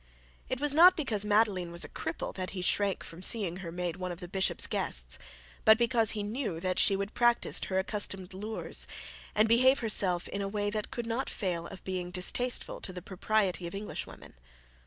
It was not because Madeline was a cripple that he shrank from seeing her made one of the bishop's guests; but because he knew that she would practise her accustomed lures, and behave herself in a way that could not fail of being distasteful to the propriety of Englishwomen.